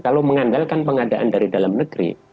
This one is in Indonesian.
kalau mengandalkan pengadaan dari dalam negeri